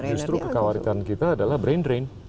justru kekhawaritan kita adalah brain drain